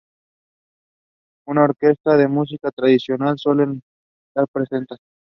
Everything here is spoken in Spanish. Una orquesta de música tradicional suele estar presenta.